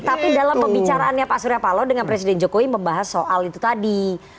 tapi dalam pembicaraannya pak surya palo dengan presiden jokowi membahas soal itu tadi